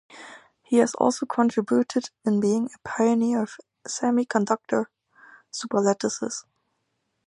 He has also contributed in being a pioneer of the semiconductor superlattices.